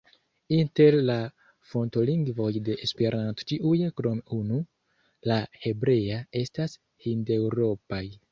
Inter la fontolingvoj de Esperanto ĉiuj krom unu, la hebrea, estas hindeŭropaj.